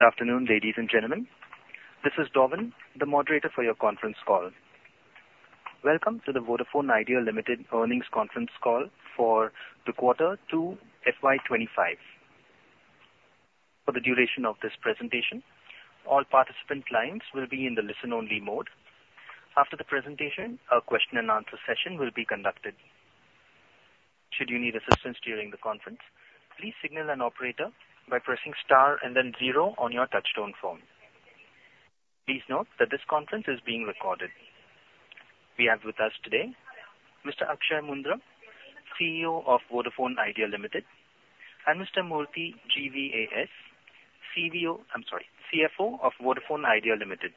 Good afternoon, ladies and gentlemen. This is Dorvin, the moderator for your conference call. Welcome to the Vodafone Idea Limited earnings conference call for the quarter 2, FY25. For the duration of this presentation, all participant lines will be in the listen-only mode. After the presentation, a question-and-answer session will be conducted. Should you need assistance during the conference, please signal an operator by pressing star and then zero on your touchtone phone. Please note that this conference is being recorded. We have with us today Mr. Akshaya Moondra, CEO of Vodafone Idea Limited, and Mr. Murthy GVAS, CVO, I'm sorry, CFO of Vodafone Idea Limited,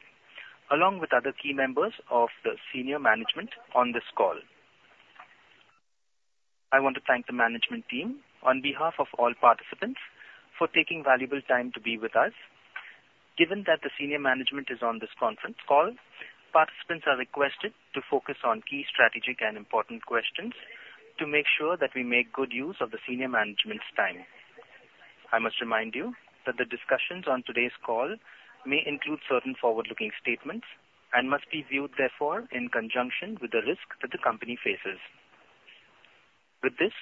along with other key members of the senior management on this call. I want to thank the management team on behalf of all participants for taking valuable time to be with us. Given that the senior management is on this conference call, participants are requested to focus on key strategic and important questions to make sure that we make good use of the senior management's time. I must remind you that the discussions on today's call may include certain forward-looking statements and must be viewed, therefore, in conjunction with the risk that the company faces. With this,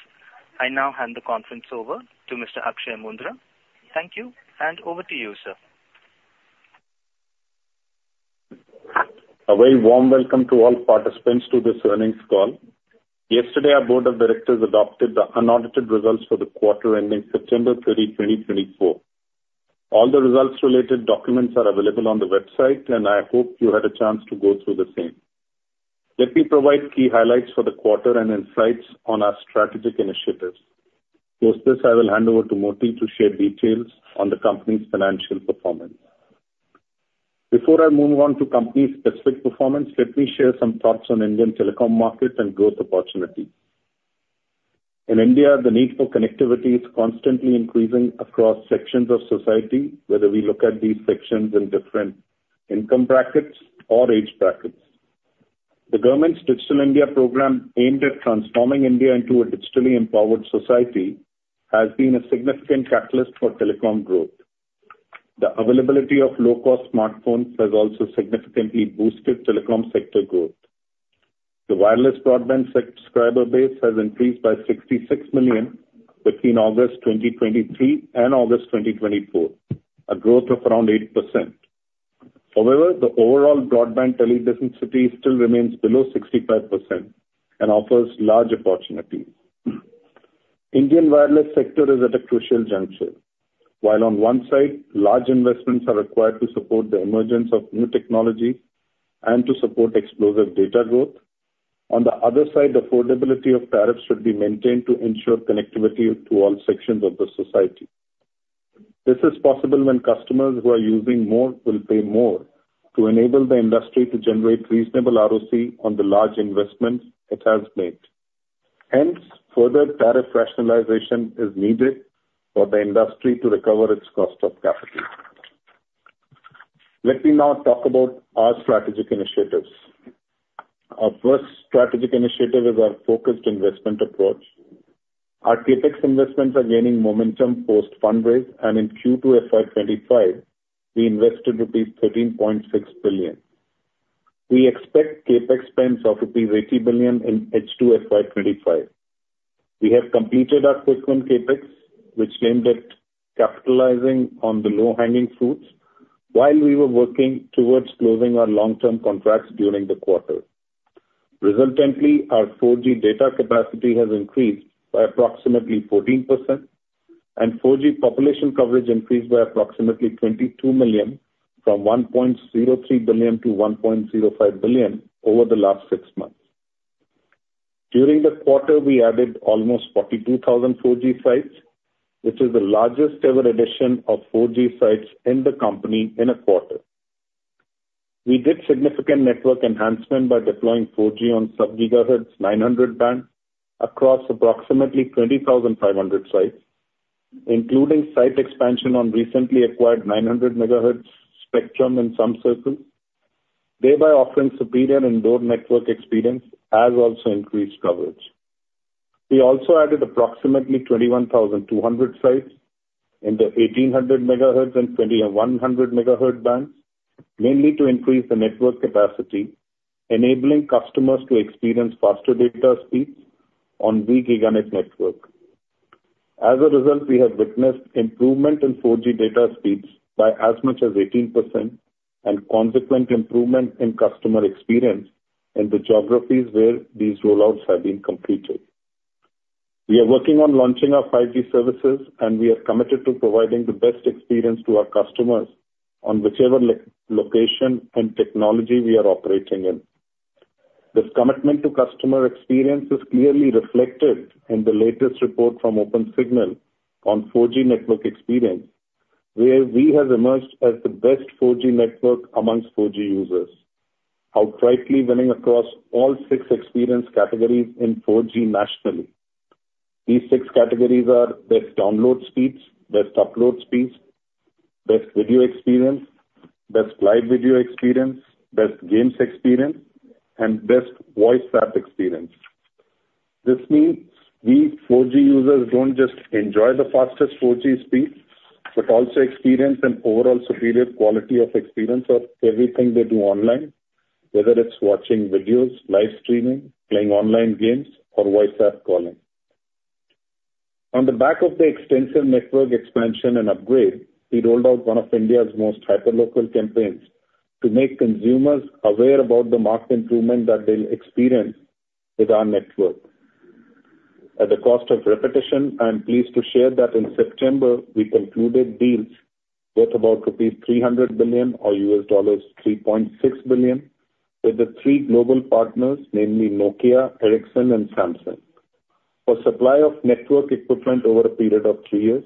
I now hand the conference over to Mr. Akshaya Moondra. Thank you, and over to you, sir. A very warm welcome to all participants to this earnings call. Yesterday, our board of directors adopted the unaudited results for the quarter ending September 30, 2024. All the results-related documents are available on the website, and I hope you had a chance to go through the same. Let me provide key highlights for the quarter and insights on our strategic initiatives. With this, I will hand over to Murthy to share details on the company's financial performance. Before I move on to company-specific performance, let me share some thoughts on Indian telecom market and growth opportunities. In India, the need for connectivity is constantly increasing across sections of society, whether we look at these sections in different income brackets or age brackets. The government's Digital India program, aimed at transforming India into a digitally empowered society, has been a significant catalyst for telecom growth. The availability of low-cost smartphones has also significantly boosted telecom sector growth. The wireless broadband subscriber base has increased by 66 million between August 2023 and August 2024, a growth of around 8%. However, the overall broadband teledensity still remains below 65% and offers large opportunities. Indian wireless sector is at a crucial juncture. While on one side, large investments are required to support the emergence of new technologies and to support explosive data growth, on the other side, affordability of tariffs should be maintained to ensure connectivity to all sections of the society. This is possible when customers who are using more will pay more to enable the industry to generate reasonable ROCE on the large investments it has made. Hence, further tariff rationalization is needed for the industry to recover its cost of capital. Let me now talk about our strategic initiatives. Our first strategic initiative is our focused investment approach. Our CapEx investments are gaining momentum post-fundraise, and in Q2 FY25, we invested rupees 13.6 billion. We expect CapEx spends of rupees 80 billion in H2 FY25. We have completed our quick-win CapEx, which aimed at capitalizing on the low-hanging fruits while we were working towards closing our long-term contracts during the quarter. Resultantly, our 4G data capacity has increased by approximately 14%, and 4G population coverage increased by approximately 22 million from 1.03 billion to 1.05 billion over the last six months. During the quarter, we added almost 42,000 4G sites, which is the largest-ever addition of 4G sites in the company in a quarter. We did significant network enhancement by deploying 4G on sub-GHz 900 band across approximately 20,500 sites, including site expansion on recently acquired 900 MHz spectrum in some circles, thereby offering superior indoor network experience as well as increased coverage. We also added approximately 21,200 sites in the 1,800 MHz and 2,100 MHz bands, mainly to increase the network capacity, enabling customers to experience faster data speeds on the gigabit network. As a result, we have witnessed improvement in 4G data speeds by as much as 18% and consequent improvement in customer experience in the geographies where these rollouts have been completed. We are working on launching our 5G services, and we are committed to providing the best experience to our customers on whichever location and technology we are operating in. This commitment to customer experience is clearly reflected in the latest report from OpenSignal on 4G network experience, where we have emerged as the best 4G network amongst 4G users, outright winning across all six experience categories in 4G nationally. These six categories are best download speeds, best upload speeds, best video experience, best live video experience, best games experience, and best voice app experience. This means these 4G users don't just enjoy the fastest 4G speed but also experience an overall superior quality of experience of everything they do online, whether it's watching videos, live streaming, playing online games, or voice app calling. On the back of the extensive network expansion and upgrade, we rolled out one of India's most hyperlocal campaigns to make consumers aware about the marked improvement that they'll experience with our network. At the cost of repetition, I'm pleased to share that in September, we concluded deals worth about rupees 300 billion or $3.6 billion with the three global partners, namely Nokia, Ericsson, and Samsung, for supply of network equipment over a period of three years.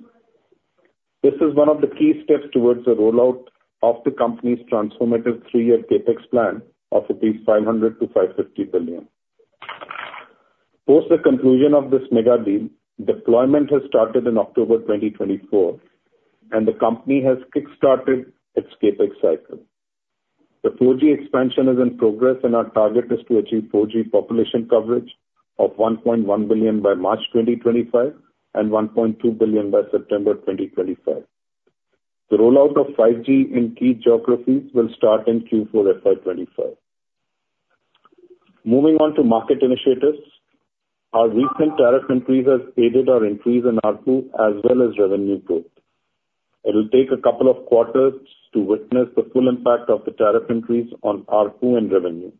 This is one of the key steps towards the rollout of the company's transformative three-year CapEx plan of 500-550 billion. Post the conclusion of this mega deal, deployment has started in October 2024, and the company has kickstarted its CapEx cycle. The 4G expansion is in progress, and our target is to achieve 4G population coverage of 1.1 billion by March 2025 and 1.2 billion by September 2025. The rollout of 5G in key geographies will start in Q4 FY25. Moving on to market initiatives, our recent tariff increase has aided our increase in ARPU as well as revenue growth. It will take a couple of quarters to witness the full impact of the tariff increase on ARPU and revenue.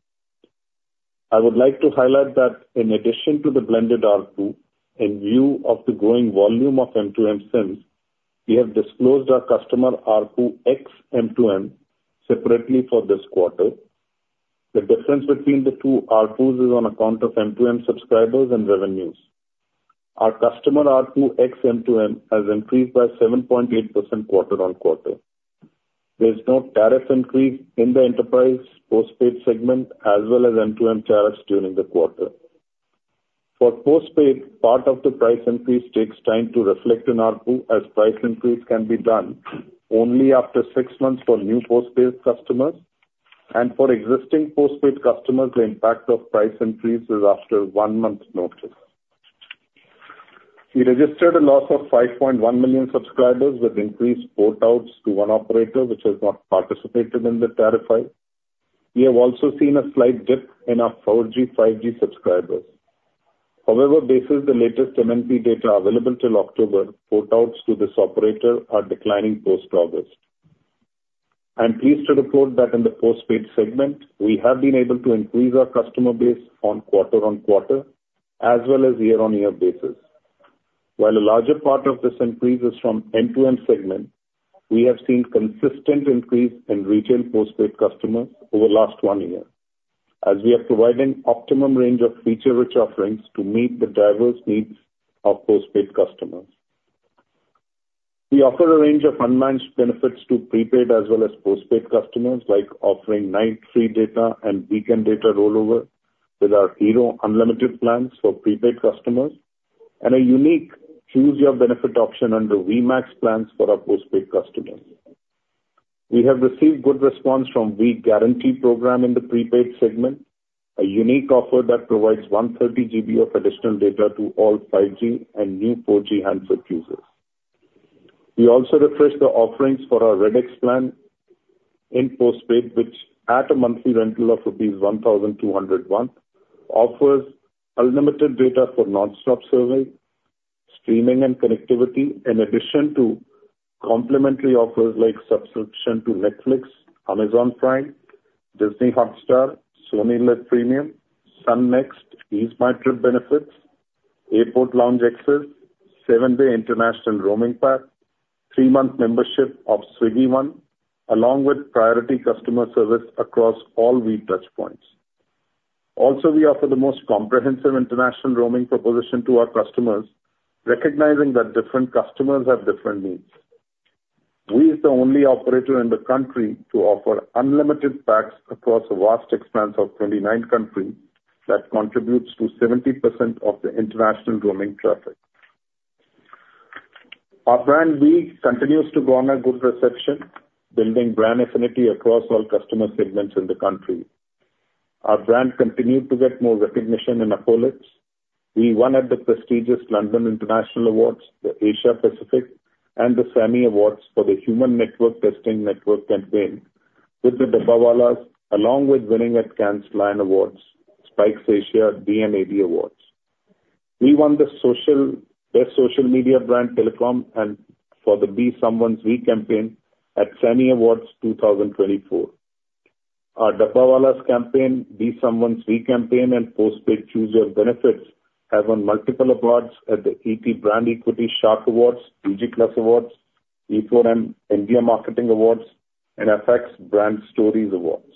I would like to highlight that in addition to the blended ARPU, in view of the growing volume of end-to-end SIMs, we have disclosed our customer ARPU ex M2M separately for this quarter. The difference between the two ARPUs is on account of M2M subscribers and revenues. Our customer ARPU ex M2M has increased by 7.8% quarter-on-quarter. There's no tariff increase in the enterprise postpaid segment as well as M2M tariffs during the quarter. For postpaid, part of the price increase takes time to reflect in ARPU, as price increase can be done only after six months for new postpaid customers, and for existing postpaid customers, the impact of price increase is after one month's notice. We registered a loss of 5.1 million subscribers with increased port-outs to one operator, which has not participated in the tariff fight. We have also seen a slight dip in our 4G, 5G subscribers. However, based on the latest MNP data available till October, port-outs to this operator are declining post-August. I'm pleased to report that in the postpaid segment, we have been able to increase our customer base on quarter-on-quarter as well as year-on-year basis. While a larger part of this increase is from enterprise segment, we have seen consistent increase in retail postpaid customers over the last one year, as we are providing optimum range of feature-rich offerings to meet the diverse needs of postpaid customers. We offer a range of unmatched benefits to prepaid as well as postpaid customers, like offering night-free data and weekend data rollover with our Hero Unlimited plans for prepaid customers and a unique choose-your-benefit option under Vi Max plans for our postpaid customers. We have received good response from Vi Guarantee program in the prepaid segment, a unique offer that provides 130 GB of additional data to all 5G and new 4G handset users. We also refreshed the offerings for our REDX plan in postpaid, which, at a monthly rental of INR 1,200 a month, offers unlimited data for nonstop surfing, streaming, and connectivity, in addition to complimentary offers like subscription to Netflix, Amazon Prime, Disney Hotstar, Sony LIV Premium, Sun NXT, EaseMyTrip benefits, airport lounge access, seven-day international roaming pack, three-month membership of Swiggy One, along with priority customer service across all Vi touchpoints. Also, we offer the most comprehensive international roaming proposition to our customers, recognizing that different customers have different needs. We are the only operator in the country to offer unlimited packs across a vast expanse of 29 countries that contributes to 70% of the international roaming traffic. Our brand Vi continues to garner good reception, building brand affinity across all customer segments in the country. Our brand continued to get more recognition in the app launches. We won at the prestigious London International Awards, the Asia Pacific, and the SAMMIE Awards for the Human Network Testing Network campaign with the Dabbawala, along with winning at Cannes Lions Awards, Spikes Asia, D&AD Awards. We won the Best Social Media brand telecom and for the Be Someone's We campaign at SAMMIE Awards 2024. Our Dabbawalas campaign, Be Someone's We campaign, and postpaid choose-your-benefits have won multiple awards at the ET Brand Equity Shark Awards, DigiClass Awards, e4m India Marketing Awards, and FX Brand Stories Awards.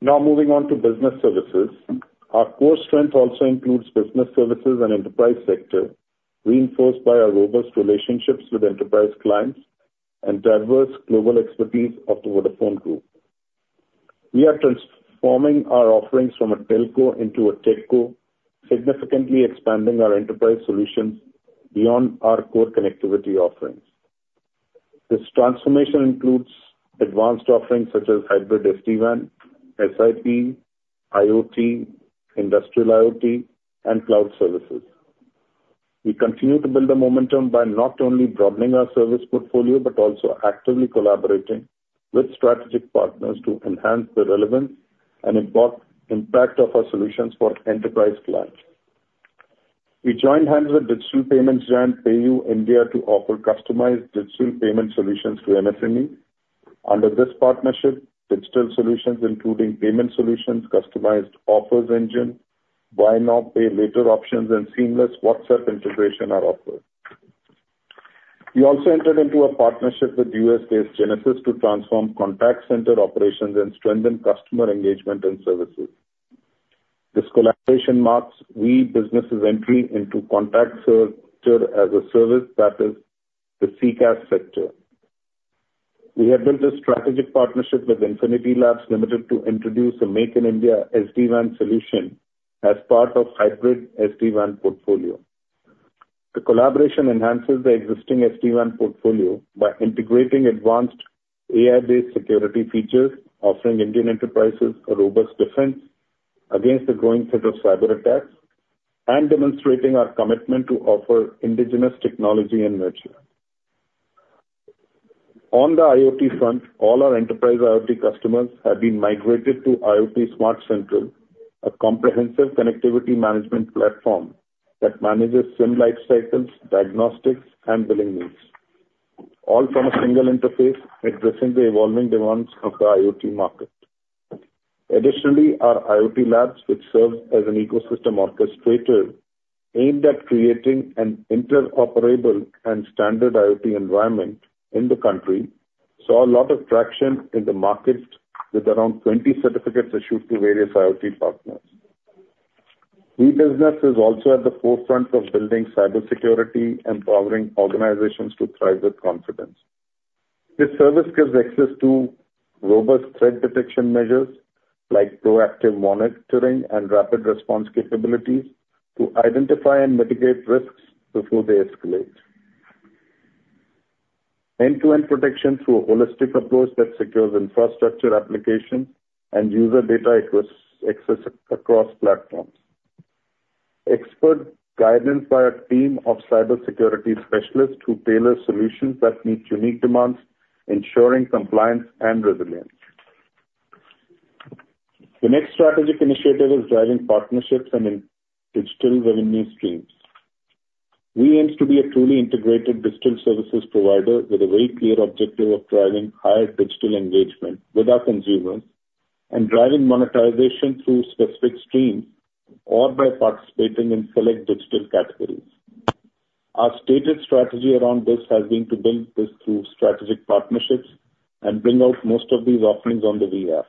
Now moving on to business services, our core strength also includes business services and enterprise sector, reinforced by our robust relationships with enterprise clients and diverse global expertise of the Vodafone Group. We are transforming our offerings from a telco into a techco, significantly expanding our enterprise solutions beyond our core connectivity offerings. This transformation includes advanced offerings such as hybrid SD-WAN, SIP, IoT, industrial IoT, and cloud services. We continue to build the momentum by not only broadening our service portfolio but also actively collaborating with strategic partners to enhance the relevance and impact of our solutions for enterprise clients. We joined hands with digital payments giant PayU India to offer customized digital payment solutions to MSME. Under this partnership, digital solutions including payment solutions, customized offers engine, buy now, pay later options, and seamless WhatsApp integration are offered. We also entered into a partnership with US-based Genesys to transform contact center operations and strengthen customer engagement and services. This collaboration marks Vi Business's entry into contact center as a service that is the CCaaS sector. We have built a strategic partnership with Infinity Labs Limited to introduce a Make-in-India SD-WAN solution as part of hybrid SD-WAN portfolio. The collaboration enhances the existing SD-WAN portfolio by integrating advanced AI-based security features, offering Indian enterprises a robust defense against the growing threat of cyberattacks and demonstrating our commitment to offer indigenous technology and nature. On the IoT front, all our enterprise IoT customers have been migrated to IoT Smart Central, a comprehensive connectivity management platform that manages SIM lifecycles, diagnostics, and billing needs, all from a single interface, addressing the evolving demands of the IoT market. Additionally, our IoT labs, which serve as an ecosystem orchestrator, aimed at creating an interoperable and standard IoT environment in the country, saw a lot of traction in the market with around 20 certificates issued to various IoT partners. Vi Business is also at the forefront of building cybersecurity and powering organizations to thrive with confidence. This service gives access to robust threat detection measures like proactive monitoring and rapid response capabilities to identify and mitigate risks before they escalate. End-to-end protection through a holistic approach that secures infrastructure applications and user data across platforms. Expert guidance by a team of cybersecurity specialists who tailor solutions that meet unique demands, ensuring compliance and resilience. The next strategic initiative is driving partnerships and digital revenue streams. We aim to be a truly integrated digital services provider with a very clear objective of driving higher digital engagement with our consumers and driving monetization through specific streams or by participating in select digital categories. Our stated strategy around this has been to build this through strategic partnerships and bring out most of these offerings on the Vi App.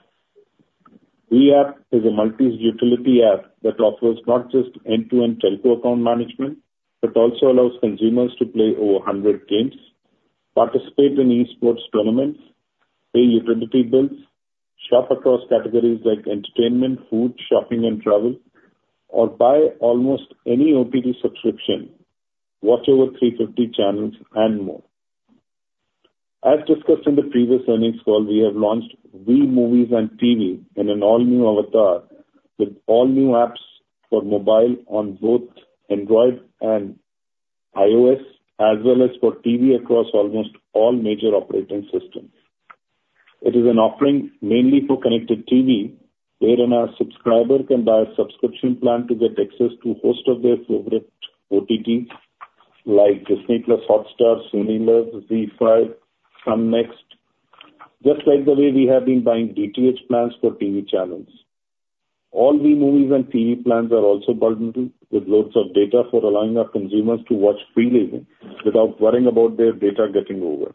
Vi App is a multi-utility app that offers not just end-to-end telco account management but also allows consumers to play over 100 games, participate in eSports tournaments, pay utility bills, shop across categories like entertainment, food, shopping, and travel, or buy almost any OTT subscription, watch over 350 channels, and more. As discussed in the previous earnings call, we have launched Vi Movies & TV in an all-new avatar with all-new apps for mobile on both Android and iOS, as well as for TV across almost all major operating systems. It is an offering mainly for connected TV, wherein our subscriber can buy a subscription plan to get access to most of their favorite OTTs like Disney+ Hotstar, Sony LIV, ZEE5, Sun NXT, just like the way we have been buying DTH plans for TV channels. All Vi Movies & TV plans are also bundled with loads of data for allowing our consumers to watch freely without worrying about their data getting over.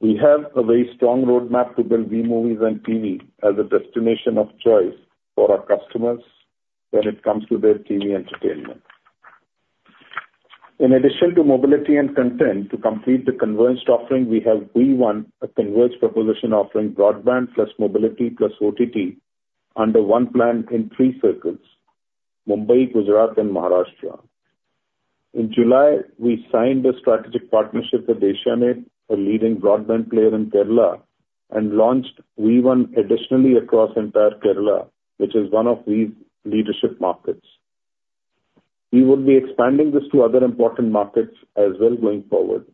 We have a very strong roadmap to build Vi Movies & TV as a destination of choice for our customers when it comes to their TV entertainment. In addition to mobility and content, to complete the converged offering, we have Vi One, a converged proposition offering broadband plus mobility plus OTT under one plan in three circles, Mumbai, Gujarat, and Maharashtra. In July, we signed a strategic partnership with Asianet, a leading broadband player in Kerala, and launched Vi One additionally across entire Kerala, which is one of Vi's leadership markets. We will be expanding this to other important markets as well going forward.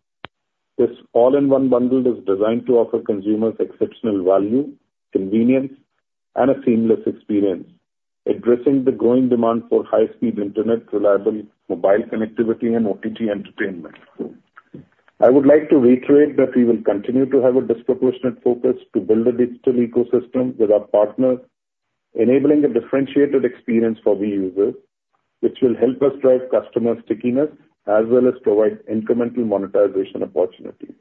This all-in-one bundle is designed to offer consumers exceptional value, convenience, and a seamless experience, addressing the growing demand for high-speed internet, reliable mobile connectivity, and OTT entertainment. I would like to reiterate that we will continue to have a disproportionate focus to build a digital ecosystem with our partners, enabling a differentiated experience for Vi users, which will help us drive customer stickiness as well as provide incremental monetization opportunities.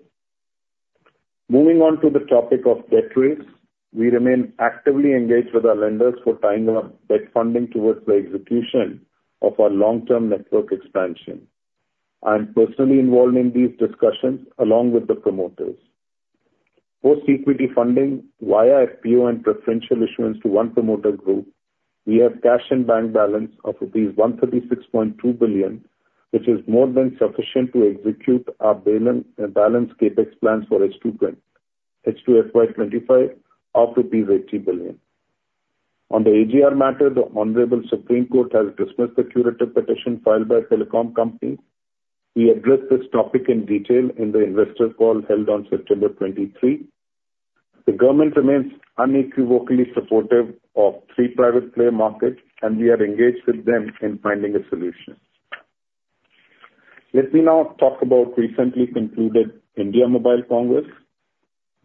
Moving on to the topic of debt raise, we remain actively engaged with our lenders for tying up debt funding towards the execution of our long-term network expansion. I'm personally involved in these discussions along with the promoters. Post-equity funding via FPO and preferential issuance to one promoter group, we have cash and bank balance of rupees 136.2 billion, which is more than sufficient to execute our balance CapEx plans for H2FY25 of rupees 80 billion. On the AGR matter, the Honorable Supreme Court has dismissed the curative petition filed by telecom companies. We addressed this topic in detail in the investor call held on September 23. The government remains unequivocally supportive of three private-play markets, and we are engaged with them in finding a solution. Let me now talk about recently concluded India Mobile Congress.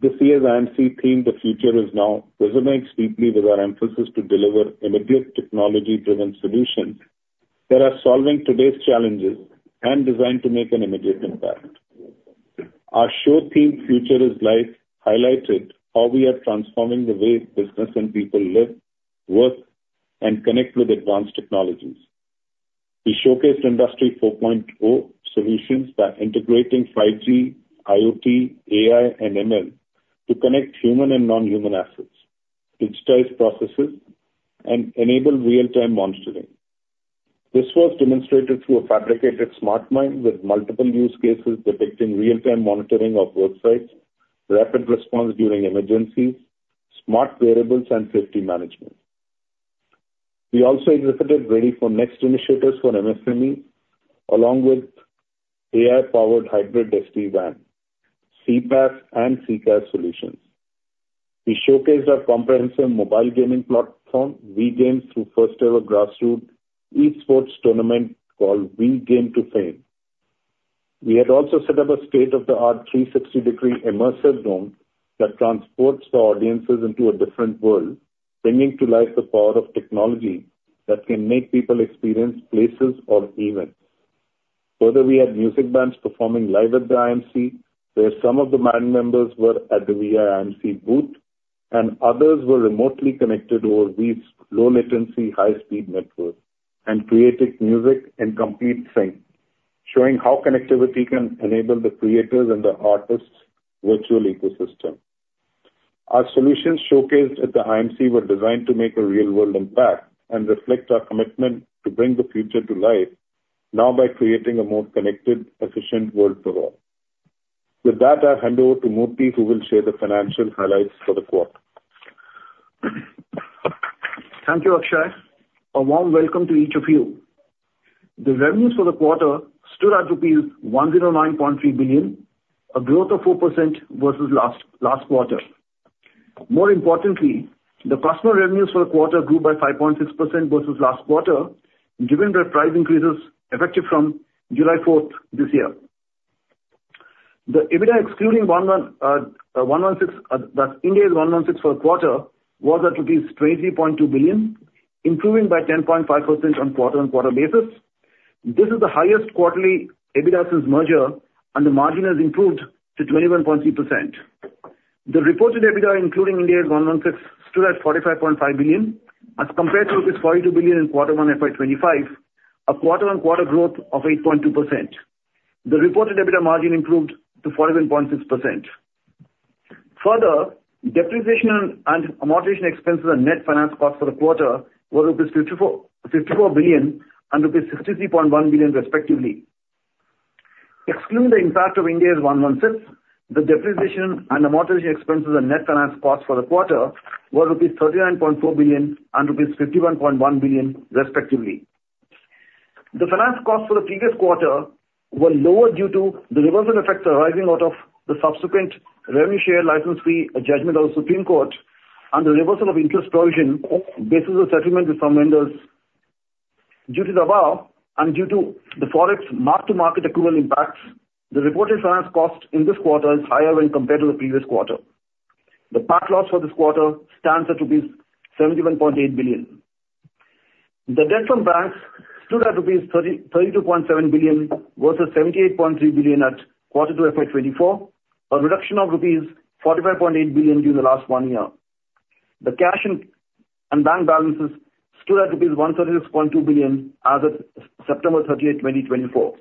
This year's IMC theme, The Future Is Now, resonates deeply with our emphasis to deliver immediate technology-driven solutions that are solving today's challenges and designed to make an immediate impact. Our show theme, Future Is Life, highlighted how we are transforming the way business and people live, work, and connect with advanced technologies. We showcased Industry 4.0 solutions by integrating 5G, IoT, AI, and ML to connect human and non-human assets, digitize processes, and enable real-time monitoring. This was demonstrated through a fabricated smart mine with multiple use cases depicting real-time monitoring of websites, rapid response during emergencies, smart variables, and safety management. We also exhibited ready for next initiatives for MSMEs, along with AI-powered hybrid SD-WAN, CPaaS, and CCaaS solutions. We showcased our comprehensive mobile gaming platform, Vi Games, through first-ever grassroots eSports tournament called Vi Game to Fame. We had also set up a state-of-the-art 360-degree immersive zone that transports the audiences into a different world, bringing to life the power of technology that can make people experience places or events. Further, we had music bands performing live at the IMC, where some of the band members were at the VI IMC booth, and others were remotely connected over Vi's low-latency, high-speed network and created music in complete sync, showing how connectivity can enable the creators and the artists' virtual ecosystem. Our solutions showcased at the IMC were designed to make a real-world impact and reflect our commitment to bring the future to life now by creating a more connected, efficient world for all. With that, I'll hand over to Murthy, who will share the financial highlights for the quarter. Thank you, Akshaya. A warm welcome to each of you. The revenues for the quarter stood at rupees 109.3 billion, a growth of 4% versus last quarter. More importantly, the customer revenues for the quarter grew by 5.6% versus last quarter, given the price increases effective from July 4 this year. The EBITDA excluding Ind AS 116 for the quarter was at rupees 23.2 billion, improving by 10.5% on quarter-on-quarter basis. This is the highest quarterly EBITDA since merger, and the margin has improved to 21.3%. The reported EBITDA, including Ind AS 116, stood at 45.5 billion. As compared to 42 billion in quarter one FY25, a quarter-on-quarter growth of 8.2%. The reported EBITDA margin improved to 41.6%. Further, depreciation and amortization expenses and net finance costs for the quarter were 54 billion and 63.1 billion, respectively. Excluding the impact of Ind AS 116, the depreciation and amortization expenses and net finance costs for the quarter were rupees 39.4 billion and rupees 51.1 billion, respectively. The finance costs for the previous quarter were lower due to the reversal effects arising out of the subsequent revenue share license fee judgment of the Supreme Court and the reversal of interest provision basis of settlement with some lenders. Due to the above and due to the Forex mark to market equivalent impacts, the reported finance cost in this quarter is higher when compared to the previous quarter. The net loss for this quarter stands at INR 71.8 billion. The debt from banks stood at INR 32.7 billion versus 78.3 billion at quarter two FY24, a reduction of INR 45.8 billion during the last one year. The cash and bank balances stood at INR 136.2 billion as of September 30, 2024.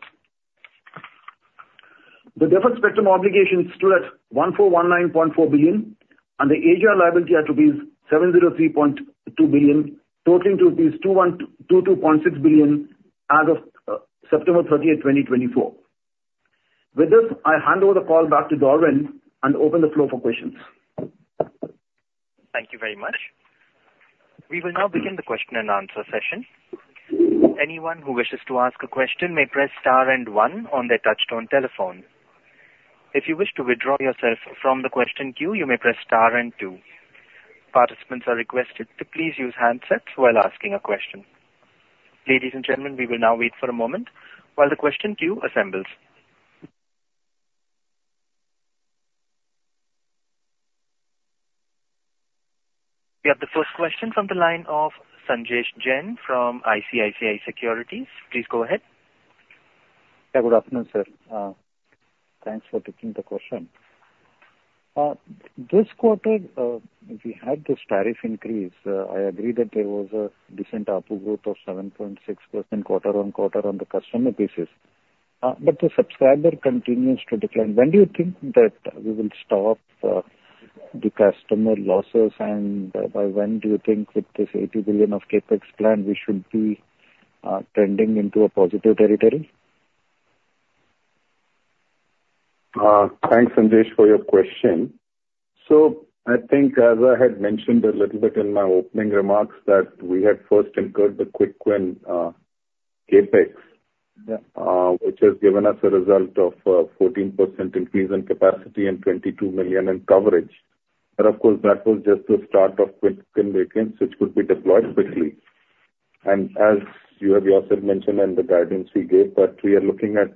The deferred spectrum obligations stood at 1,419.4 billion, and the AGR liability at rupees 703.2 billion, totaling to rupees 2,122.6 billion as of September 30, 2024. With this, I hand over the call back to Dorvin and open the floor for questions. Thank you very much. We will now begin the question and answer session. Anyone who wishes to ask a question may press star and one on their touch-tone telephone. If you wish to withdraw yourself from the question queue, you may press star and two. Participants are requested to please use handsets while asking a question. Ladies and gentlemen, we will now wait for a moment while the question queue assembles. We have the first question from the line of Sanjesh Jain from ICICI Securities. Please go ahead. Yeah, good afternoon, sir. Thanks for taking the question. This quarter, we had this tariff increase. I agree that there was a decent upward growth of 7.6% quarter-on-quarter on the customer base. But the subscriber continues to decline. When do you think that we will stop the customer losses, and by when do you think with this 80 billion of CapEx plan, we should be trending into a positive territory? Thanks, Sanjesh, for your question. I think, as I had mentioned a little bit in my opening remarks, that we had first incurred the quick-win CapEx, which has given us a result of a 14% increase in capacity and 22 million in coverage. Of course, that was just the start of quick-win variants, which could be deployed quickly. As you have yourself mentioned and the guidance we gave, we are looking at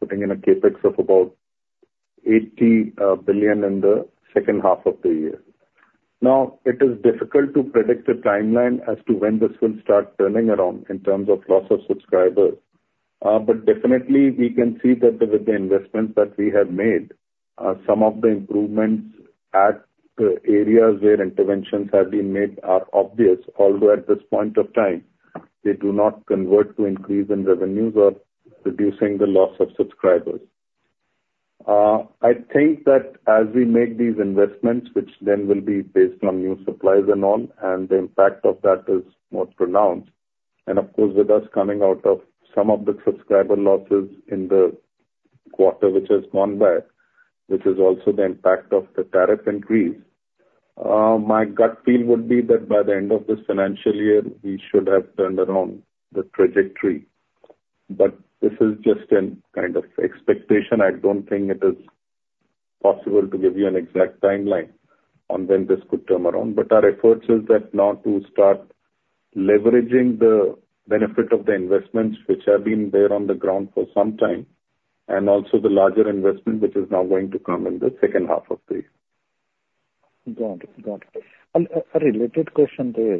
putting in a CapEx of about 80 billion in the second half of the year. It is difficult to predict the timeline as to when this will start turning around in terms of loss of subscribers. But definitely, we can see that with the investments that we have made, some of the improvements at the areas where interventions have been made are obvious, although at this point of time, they do not convert to increase in revenues or reducing the loss of subscribers. I think that as we make these investments, which then will be based on new supplies and all, and the impact of that is more pronounced. And of course, with us coming out of some of the subscriber losses in the quarter, which has gone back, which is also the impact of the tariff increase, my gut feel would be that by the end of this financial year, we should have turned around the trajectory. But this is just a kind of expectation. I don't think it is possible to give you an exact timeline on when this could turn around. But our efforts are now to start leveraging the benefit of the investments, which have been there on the ground for some time, and also the larger investment, which is now going to come in the second half of the year. Got it. Got it. A related question there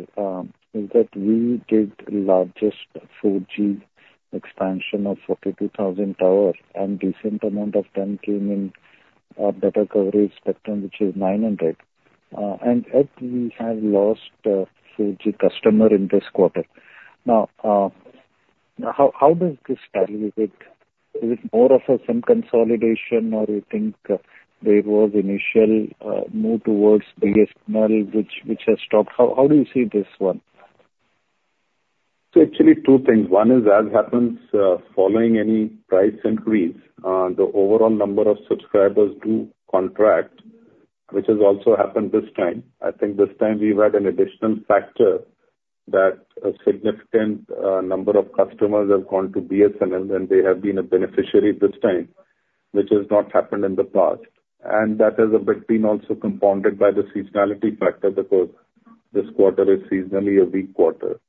is that we did the largest 4G expansion of 42,000 towers, and a decent amount of them came in our better coverage spectrum, which is 900. And we have lost 4G customers in this quarter. Now, how does this tally with it? Is it more of a SIM consolidation, or do you think there was an initial move towards BSNL, which has stopped? How do you see this one? So actually, two things. One is, as happens following any price increase, the overall number of subscribers do contract, which has also happened this time. I think this time we've had an additional factor that a significant number of customers have gone to BSNL, and they have been a beneficiary this time, which has not happened in the past, and that has a bit been also compounded by the seasonality factor because this quarter is seasonally a weak quarter.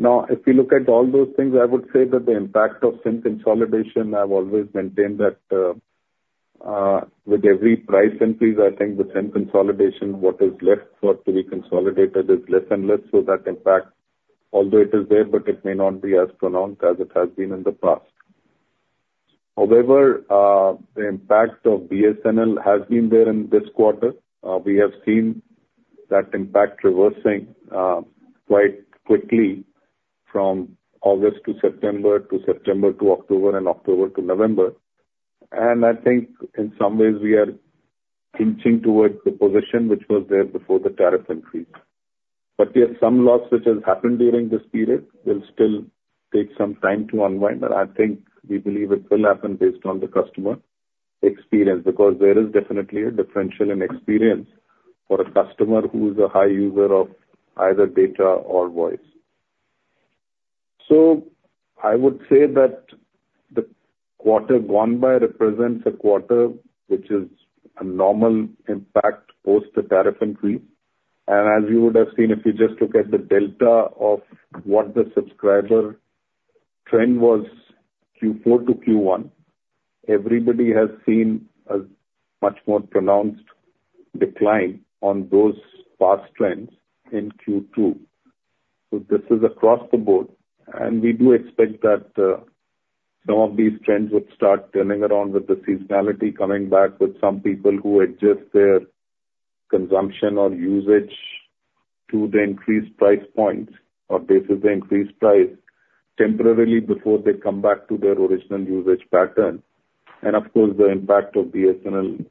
Now, if we look at all those things, I would say that the impact of SIM consolidation. I've always maintained that with every price increase, I think the SIM consolidation, what is left for it to be consolidated is less and less, so that impact, although it is there, but it may not be as pronounced as it has been in the past. However, the impact of BSNL has been there in this quarter. We have seen that impact reversing quite quickly from August to September to September to October and October to November. I think in some ways, we are inching towards the position which was there before the tariff increase. But yes, some loss which has happened during this period will still take some time to unwind. And I think we believe it will happen based on the customer experience because there is definitely a differential in experience for a customer who is a high user of either data or voice. So I would say that the quarter gone by represents a quarter which is a normal impact post the tariff increase. And as you would have seen, if you just look at the delta of what the subscriber trend was Q4 to Q1, everybody has seen a much more pronounced decline on those past trends in Q2. So this is across the board. And we do expect that some of these trends would start turning around with the seasonality coming back with some people who adjust their consumption or usage to the increased price points or basis of increased price temporarily before they come back to their original usage pattern. And of course, the impact of BSNL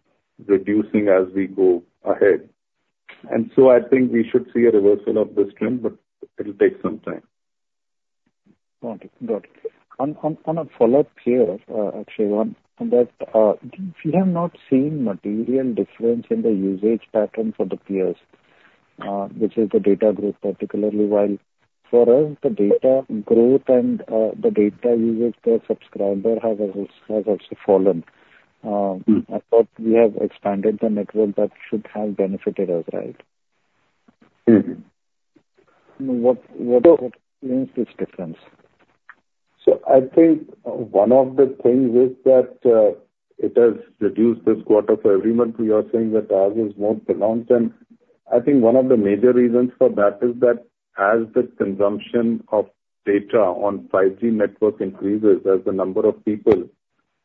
reducing as we go ahead. And so I think we should see a reversal of this trend, but it'll take some time. Got it. Got it. On a follow-up here, Akshaya Moondra, that we have not seen material difference in the usage pattern for the peers, which is the data growth, particularly while for us, the data growth and the data usage per subscriber has also fallen. I thought we have expanded the network that should have benefited us, right? What is this difference? So I think one of the things is that it has reduced this quarter for everyone. We are saying that ours is more pronounced. And I think one of the major reasons for that is that as the consumption of data on 5G network increases, as the number of people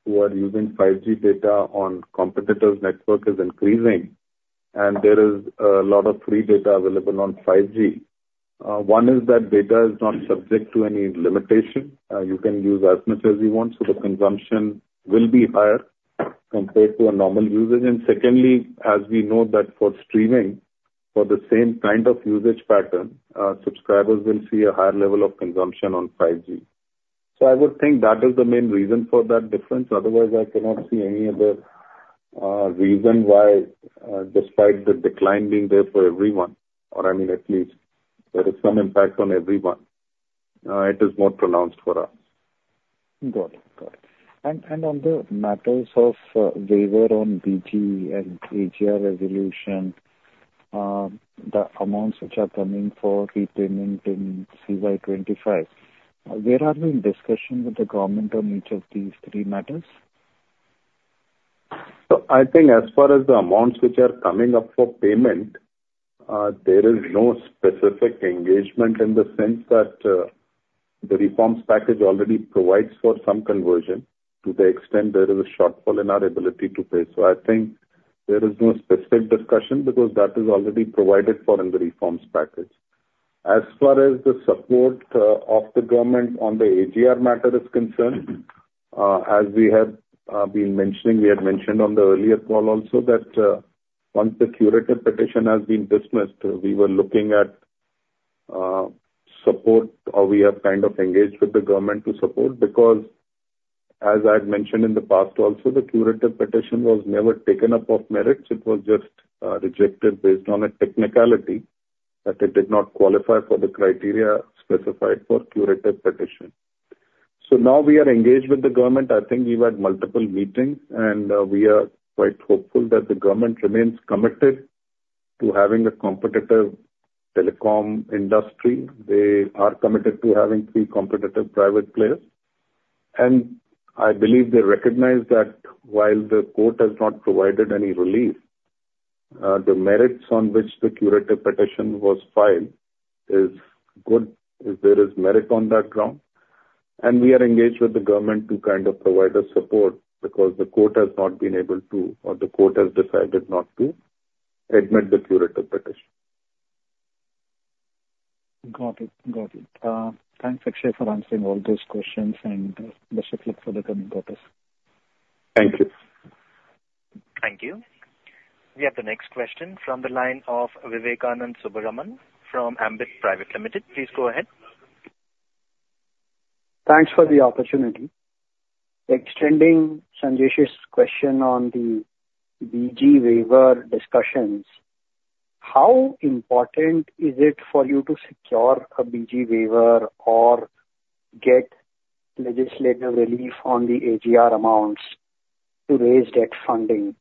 who are using 5G data on competitors' network is increasing, and there is a lot of free data available on 5G. One is that data is not subject to any limitation. You can use as much as you want. So the consumption will be higher compared to a normal usage. And secondly, as we know that for streaming, for the same kind of usage pattern, subscribers will see a higher level of consumption on 5G. So I would think that is the main reason for that difference. Otherwise, I cannot see any other reason why, despite the decline being there for everyone, or I mean, at least there is some impact on everyone, it is more pronounced for us. Got it. Got it. And on the matters of waiver on BG and AGR resolution, the amounts which are coming for repayment in CY25, there have been discussions with the government on each of these three matters? So I think as far as the amounts which are coming up for payment, there is no specific engagement in the sense that the reforms package already provides for some conversion to the extent there is a shortfall in our ability to pay. So I think there is no specific discussion because that is already provided for in the reforms package. As far as the support of the government on the AGR matter is concerned, as we have been mentioning, we had mentioned on the earlier call also that once the curative petition has been dismissed, we were looking at support, or we have kind of engaged with the government to support because, as I had mentioned in the past also, the curative petition was never taken up on merits. It was just rejected based on a technicality that it did not qualify for the criteria specified for curative petition. So now we are engaged with the government. I think we've had multiple meetings, and we are quite hopeful that the government remains committed to having a competitive telecom industry. They are committed to having three competitive private players. I believe they recognize that while the court has not provided any relief, the merits on which the curative petition was filed is good if there is merit on that ground. And we are engaged with the government to kind of provide us support because the court has not been able to, or the court has decided not to admit the curative petition. Got it. Got it. Thanks, Akshaya, for answering all those questions, and best of luck for the coming quarters. Thank you. Thank you. We have the next question from the line of Vivekanand Subbaraman from Ambit Private Limited. Please go ahead. Thanks for the opportunity. Extending Sanjesh's question on the BG waiver discussions, how important is it for you to secure a BG waiver or get legislative relief on the AGR amounts to raise debt funding?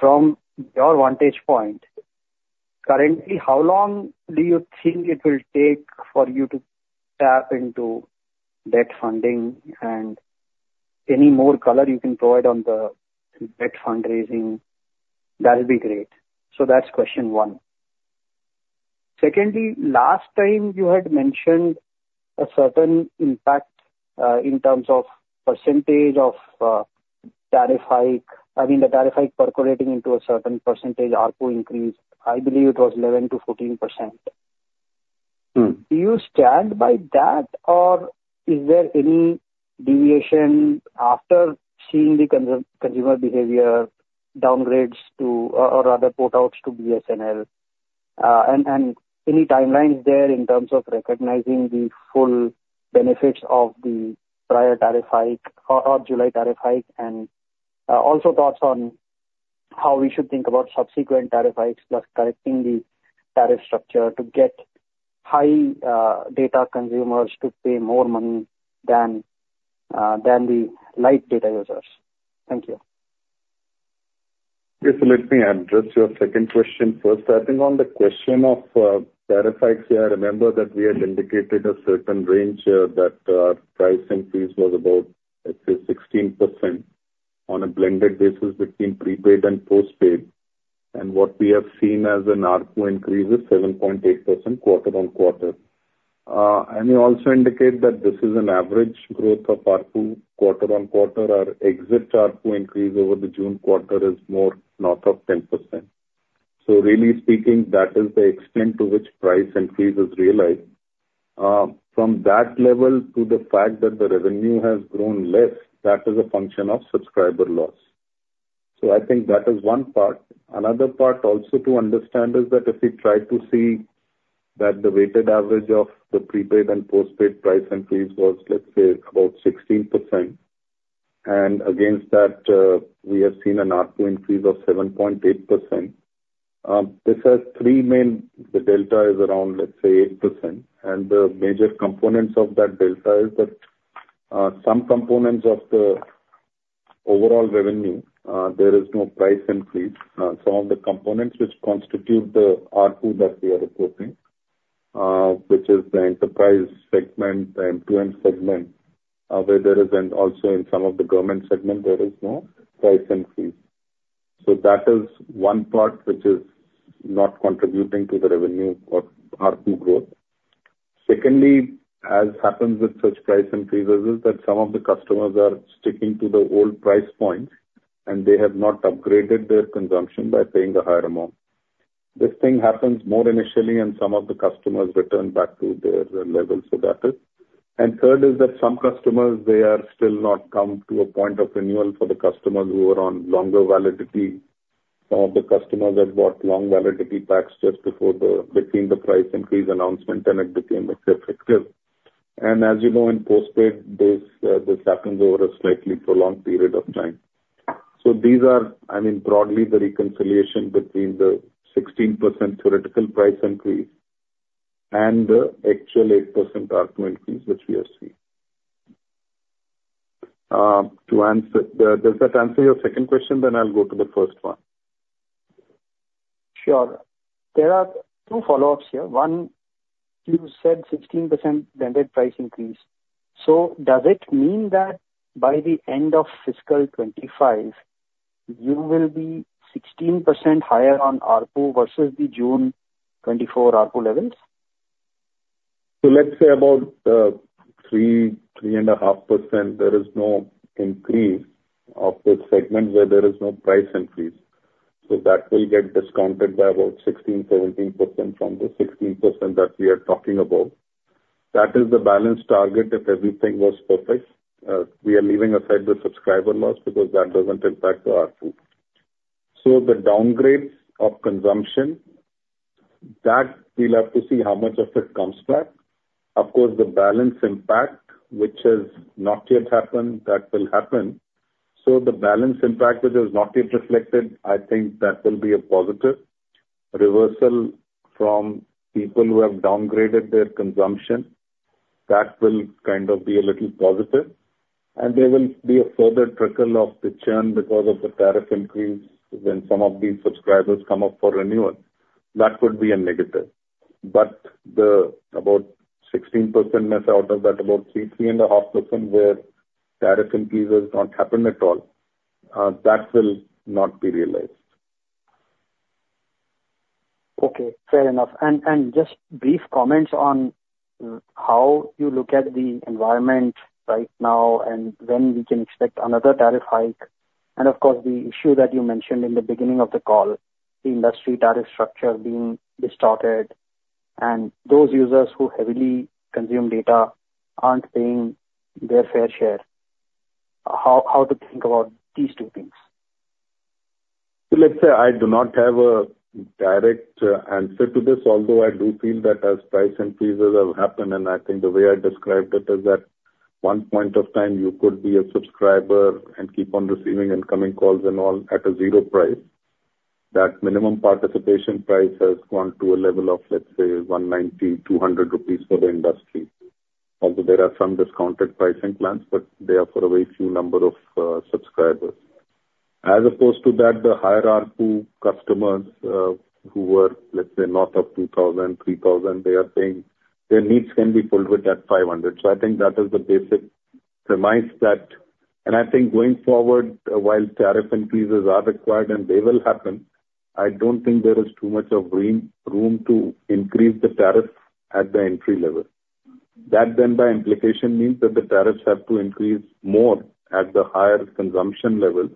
From your vantage point, currently, how long do you think it will take for you to tap into debt funding? And any more color you can provide on the debt fundraising, that would be great. That's question one. Secondly, last time you had mentioned a certain impact in terms of percentage of tariff hike, I mean, the tariff hike percolating into a certain percentage output increase. I believe it was 11%-14%. Do you stand by that, or is there any deviation after seeing the consumer behavior downgrades to, or other port outs to BSNL? And any timelines there in terms of recognizing the full benefits of the prior tariff hike or July tariff hike? And also thoughts on how we should think about subsequent tariff hikes plus correcting the tariff structure to get high data consumers to pay more money than the light data users? Thank you. Yes. So let me address your second question first. Starting on the question of tariff hikes, yeah, I remember that we had indicated a certain range that our price increase was about, I'd say, 16% on a blended basis between prepaid and postpaid. And what we have seen as an output increase is 7.8% quarter-on-quarter. And we also indicate that this is an average growth of our quarter-on-quarter. Our exit output increase over the June quarter is more north of 10%. So really speaking, that is the extent to which price increase is realized. From that level to the fact that the revenue has grown less, that is a function of subscriber loss. So I think that is one part. Another part also to understand is that if we try to see that the weighted average of the prepaid and postpaid price increase was, let's say, about 16%, and against that, we have seen an output increase of 7.8%. This has three main. The delta is around, let's say, 8%. And the major components of that delta is that some components of the overall revenue, there is no price increase. Some of the components which constitute the output that we are reporting, which is the enterprise segment, the M2M segment, where there is, and also in some of the government segment, there is no price increase. So that is one part which is not contributing to the revenue or output growth. Secondly, as happens with such price increases, is that some of the customers are sticking to the old price points, and they have not upgraded their consumption by paying a higher amount. This thing happens more initially, and some of the customers return back to their levels, so that is. And third is that some customers, they are still not come to a point of renewal for the customers who are on longer validity. Some of the customers have bought long validity packs just before the price increase announcement, and it became effective. And as you know, in postpaid, this happens over a slightly prolonged period of time. So these are, I mean, broadly the reconciliation between the 16% theoretical price increase and the actual 8% output increase which we have seen. Does that answer your second question? Then I'll go to the first one. Sure. There are two follow-ups here. One, you said 16% blended price increase. So does it mean that by the end of fiscal 2025, you will be 16% higher on output versus the June 2024 output levels? So let's say about 3%-3.5%. There is no increase of the segment where there is no price increase. So that will get discounted by about 16%-17% from the 16% that we are talking about. That is the balanced target if everything was perfect. We are leaving aside the subscriber loss because that doesn't impact our output. So the downgrades of consumption, that we'll have to see how much of it comes back. Of course, the balance impact, which has not yet happened, that will happen. So the balance impact, which has not yet reflected, I think that will be a positive. Reversal from people who have downgraded their consumption, that will kind of be a little positive. And there will be a further trickle of the churn because of the tariff increase when some of these subscribers come up for renewal. That would be a negative. But the about 16% missed out of that, about 3-3.5% where tariff increase has not happened at all, that will not be realized. Okay. Fair enough. And just brief comments on how you look at the environment right now and when we can expect another tariff hike. And of course, the issue that you mentioned in the beginning of the call, the industry tariff structure being distorted, and those users who heavily consume data aren't paying their fair share. How to think about these two things? So let's say I do not have a direct answer to this, although I do feel that as price increases have happened, and I think the way I described it is that one point of time, you could be a subscriber and keep on receiving incoming calls and all at a zero price. That minimum participation price has gone to a level of, let's say, 190-200 rupees for the industry. Although there are some discounted pricing plans, but they are for a very few number of subscribers. As opposed to that, the higher R2 customers who were, let's say, north of 2,000, 3,000, they are saying their needs can be pulled with that 500. I think that is the basic premise that, and I think going forward, while tariff increases are required and they will happen, I don't think there is too much of room to increase the tariff at the entry level. That then, by implication, means that the tariffs have to increase more at the higher consumption levels.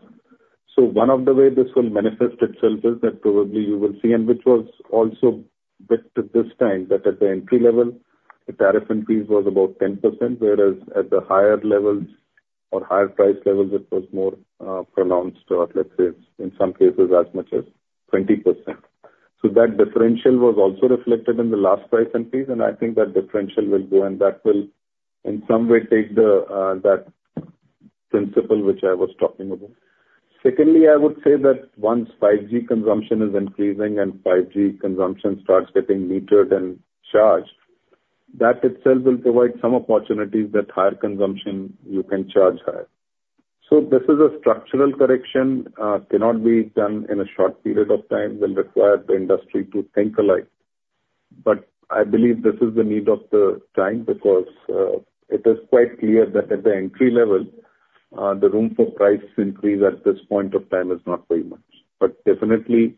One of the ways this will manifest itself is that probably you will see, and which was also bit this time, that at the entry level, the tariff increase was about 10%, whereas at the higher levels or higher price levels, it was more pronounced, or let's say in some cases, as much as 20%. That differential was also reflected in the last price increase, and I think that differential will go, and that will in some way take that principle which I was talking about. Secondly, I would say that once 5G consumption is increasing and 5G consumption starts getting metered and charged, that itself will provide some opportunities that higher consumption, you can charge higher. So this is a structural correction, cannot be done in a short period of time, will require the industry to think alike. But I believe this is the need of the time because it is quite clear that at the entry level, the room for price increase at this point of time is not very much. But definitely,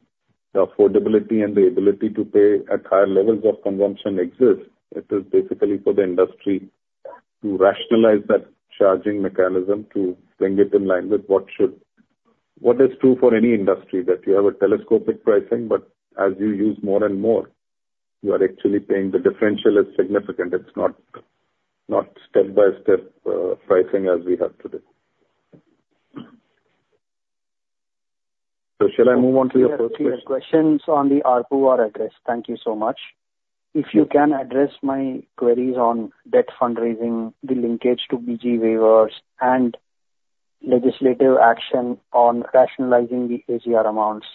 the affordability and the ability to pay at higher levels of consumption exists. It is basically for the industry to rationalize that charging mechanism to bring it in line with what is true for any industry, that you have a telescopic pricing, but as you use more and more, you are actually paying the differential is significant. It's not step-by-step pricing as we have today. So shall I move on to your first question? Thank you. Questions on the R2 are addressed. Thank you so much. If you can address my queries on debt fundraising, the linkage to BG waivers, and legislative action on rationalizing the AGR amounts.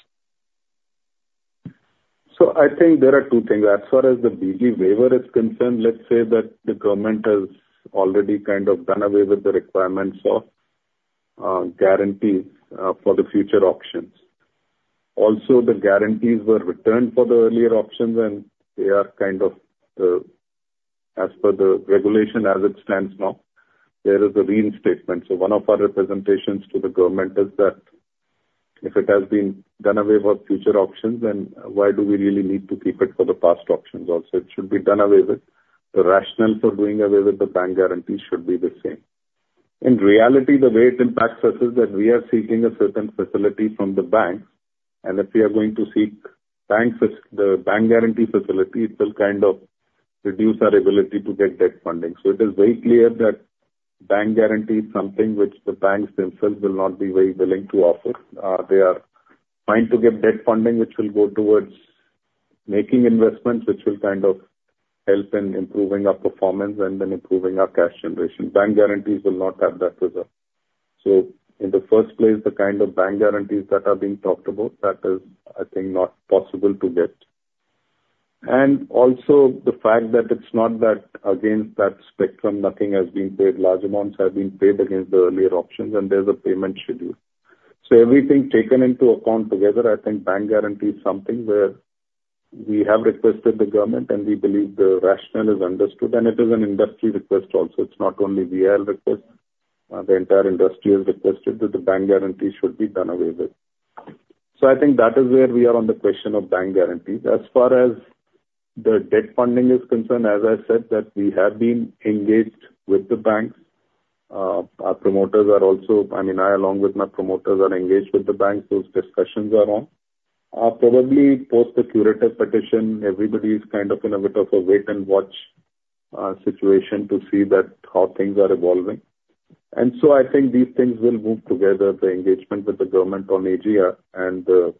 So I think there are two things. As far as the BG waiver is concerned, let's say that the government has already kind of done away with the requirements of guarantees for the future auctions. Also, the guarantees were returned for the earlier auctions, and they are kind of, as per the regulation as it stands now, there is a reinstatement. So one of our representations to the government is that if it has been done away with future auctions, then why do we really need to keep it for the past auctions? Also, it should be done away with. The rationale for doing away with the bank guarantees should be the same. In reality, the way it impacts us is that we are seeking a certain facility from the banks, and if we are going to seek the bank guarantee facility, it will kind of reduce our ability to get debt funding. So it is very clear that bank guarantee is something which the banks themselves will not be very willing to offer. They are trying to get debt funding which will go towards making investments which will kind of help in improving our performance and then improving our cash generation. Bank guarantees will not have that result. So in the first place, the kind of bank guarantees that are being talked about, that is, I think, not possible to get. And also the fact that it's not that against that spectrum, nothing has been paid. Large amounts have been paid against the earlier auctions, and there's a payment schedule. So everything taken into account together, I think bank guarantee is something where we have requested the government, and we believe the rationale is understood, and it is an industry request also. It's not only VIL request. The entire industry has requested that the bank guarantee should be done away with. So I think that is where we are on the question of bank guarantees. As far as the debt funding is concerned, as I said, that we have been engaged with the banks. Our promoters are also, I mean, I along with my promoters are engaged with the banks. Those discussions are on. Probably post the Curative Petition, everybody is kind of in a bit of a wait-and-watch situation to see how things are evolving. And so I think these things will move together, the engagement with the government on AGR and the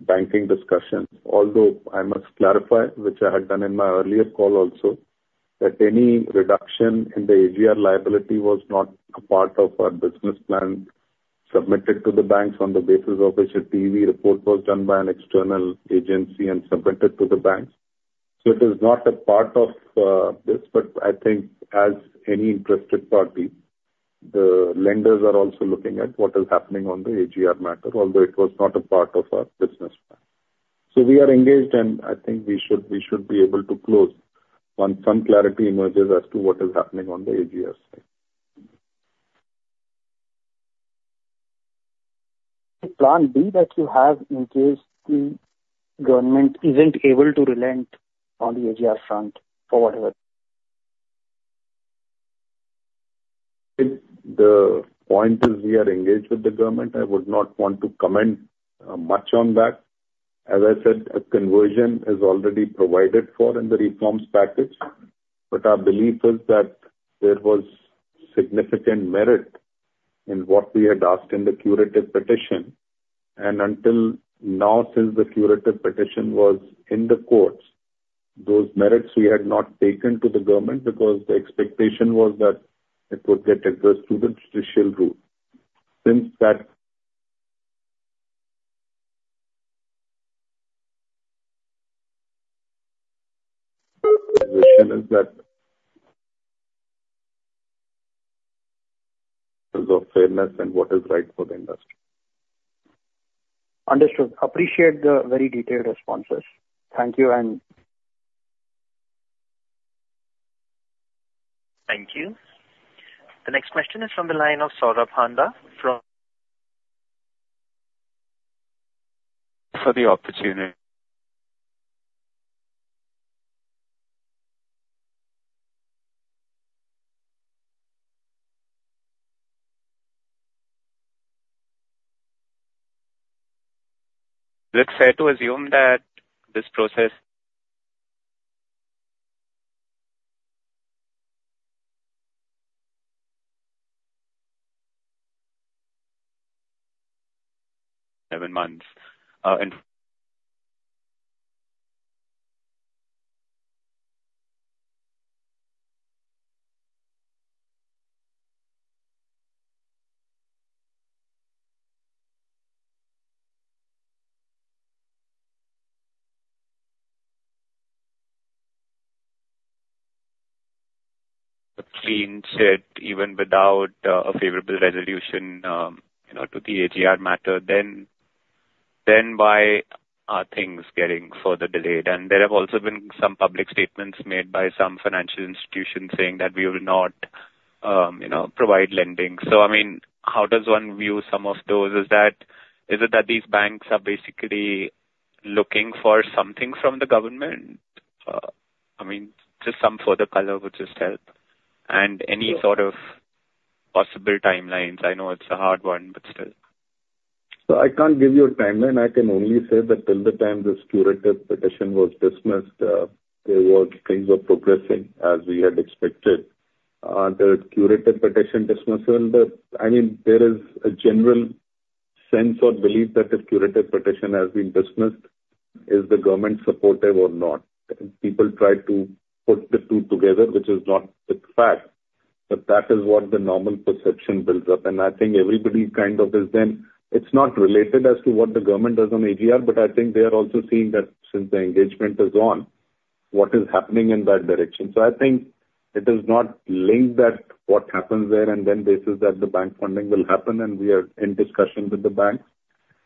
banking discussions. Although I must clarify, which I had done in my earlier call also, that any reduction in the AGR liability was not a part of our business plan submitted to the banks on the basis of which a TEV report was done by an external agency and submitted to the banks. So it is not a part of this, but I think as any interested party, the lenders are also looking at what is happening on the AGR matter, although it was not a part of our business plan. So we are engaged, and I think we should be able to close once some clarity emerges as to what is happening on the AGR side. Plan B that you have in case the government isn't able to relent on the AGR front for whatever? The point is we are engaged with the government. I would not want to comment much on that. As I said, a concession is already provided for in the reforms package, but our belief is that there was significant merit in what we had asked in the curative petition. And until now, since the curative petition was in the courts, those merits we had not taken to the government because the expectation was that it would get addressed through the judicial route. Since that, the position is that of fairness and what is right for the industry. Understood. Appreciate the very detailed responses. Thank you. Thank you. The next question is from the line of Saurabh Handa from. Thank you for the opportunity. Let's assume that this process takes seven months as we said even without a favorable resolution to the AGR matter, then why are things getting further delayed? And there have also been some public statements made by some financial institutions saying that we will not provide lending. So I mean, how does one view some of those? Is it that these banks are basically looking for something from the government? I mean, just some further color would just help. And any sort of possible timelines. I know it's a hard one, but still. I can't give you a timeline. I can only say that till the time this curative petition was dismissed, things were progressing as we had expected. The curative petition dismissal, I mean, there is a general sense or belief that the curative petition has been dismissed. Is the government supportive or not? People tried to put the two together, which is not the fact, but that is what the normal perception builds up. And I think everybody kind of is then, it's not related as to what the government does on AGR, but I think they are also seeing that since the engagement is on, what is happening in that direction. So I think it is not linked that what happens there and then basis that the bank funding will happen, and we are in discussion with the banks.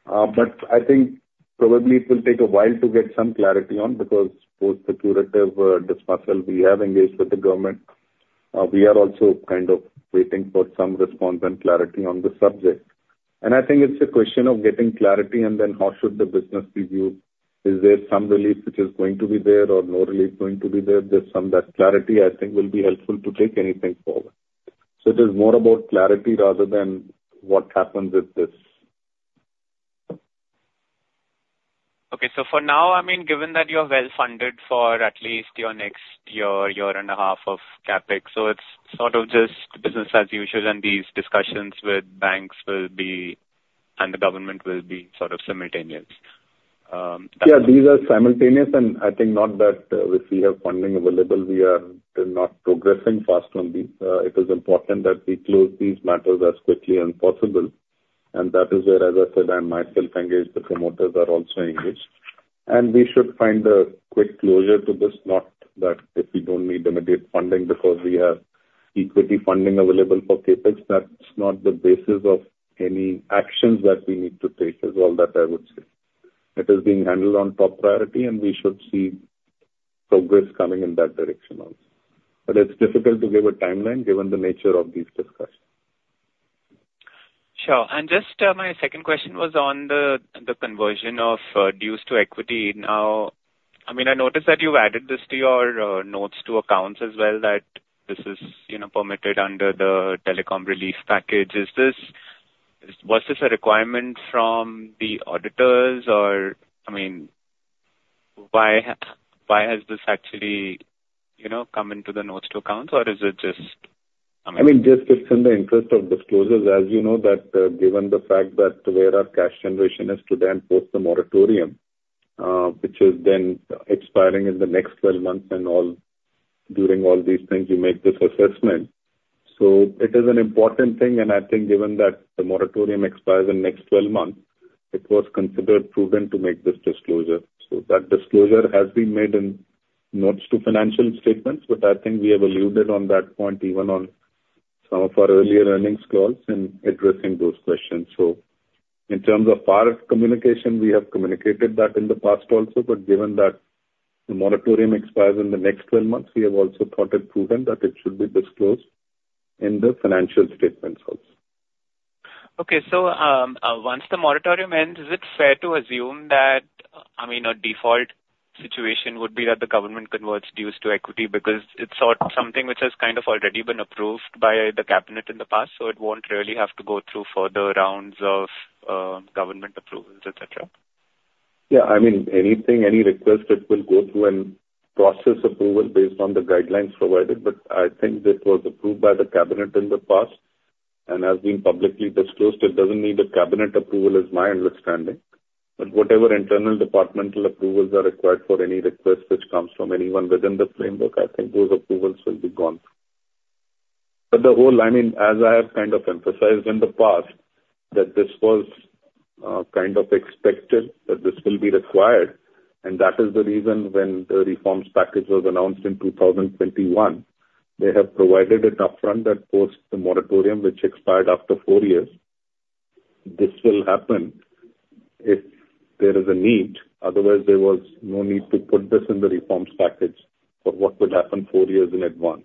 But I think probably it will take a while to get some clarity on because both the curative petition dismissal, we have engaged with the government. We are also kind of waiting for some response and clarity on the subject, and I think it's a question of getting clarity and then how should the business be viewed? Is there some relief which is going to be there or no relief going to be there? There's some clarity I think will be helpful to take anything forward, so it is more about clarity rather than what happens with this. Okay, so for now, I mean, given that you're well funded for at least your next year, year and a half of CapEx, it's sort of just business as usual and these discussions with banks and the government will be sort of simultaneous. Yeah, these are simultaneous, and I think not that if we have funding available, we are not progressing fast on these. It is important that we close these matters as quickly as possible. And that is where, as I said, I myself engaged, the promoters are also engaged. And we should find a quick closure to this, not that if we don't need immediate funding because we have equity funding available for CapEx, that's not the basis of any actions that we need to take as well, that I would say. It is being handled on top priority, and we should see progress coming in that direction also. But it's difficult to give a timeline given the nature of these discussions. Sure. And just my second question was on the conversion of dues to equity. Now, I mean, I noticed that you've added this to your notes to accounts as well, that this is permitted under the telecom relief package. Was this a requirement from the auditors or, I mean, why has this actually come into the notes to accounts, or is it just, I mean? I mean, just, it's in the interest of disclosures. As you know, that given the fact that where our cash generation is today and post the moratorium, which is then expiring in the next 12 months and during all these things, you make this assessment, so it is an important thing, and I think given that the moratorium expires in the next 12 months, it was considered prudent to make this disclosure, so that disclosure has been made in notes to financial statements, but I think we have alluded on that point even on some of our earlier earnings calls in addressing those questions. So in terms of our communication, we have communicated that in the past also, but given that the moratorium expires in the next 12 months, we have also thought it prudent that it should be disclosed in the financial statements also. Okay. So once the moratorium ends, is it fair to assume that, I mean, a default situation would be that the government converts dues to equity because it's something which has kind of already been approved by the cabinet in the past, so it won't really have to go through further rounds of government approvals, etc.? Yeah. I mean, anything, any request, it will go through and process approval based on the guidelines provided, but I think this was approved by the cabinet in the past and has been publicly disclosed. It doesn't need a cabinet approval, is my understanding. But whatever internal departmental approvals are required for any request which comes from anyone within the framework, I think those approvals will be gone. But the whole, I mean, as I have kind of emphasized in the past, that this was kind of expected that this will be required, and that is the reason when the reforms package was announced in 2021, they have provided it upfront that post the moratorium, which expired after four years, this will happen if there is a need. Otherwise, there was no need to put this in the reforms package for what would happen four years in advance.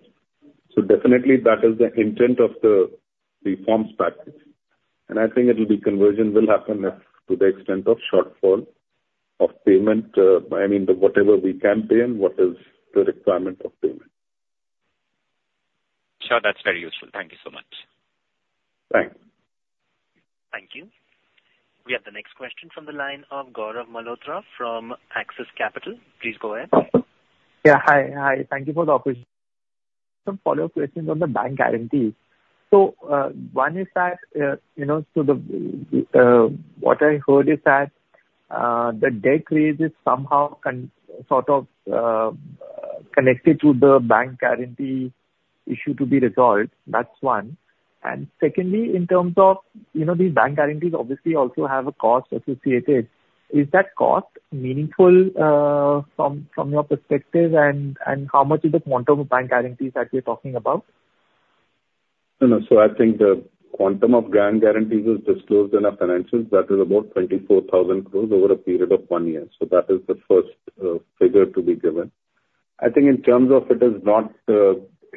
So definitely, that is the intent of the reforms package. And I think it will be conversion will happen to the extent of shortfall of payment, I mean, whatever we can pay and what is the requirement of payment. Sure. That's very useful. Thank you so much. Thanks. Thank you. We have the next question from the line of Gaurav Malhotra from Axis Capital. Please go ahead. Yeah. Hi. Hi. Thank you for the opportunity. Some follow-up questions on the bank guarantees. So one is that, so what I heard is that the debt raise is somehow sort of connected to the bank guarantee issue to be resolved. That's one. And secondly, in terms of these bank guarantees, obviously also have a cost associated. Is that cost meaningful from your perspective and how much is the quantum of bank guarantees that we're talking about? So I think the quantum of bank guarantees is disclosed in our financials. That is about 24,000 crores over a period of one year. So that is the first figure to be given. I think in terms of it is not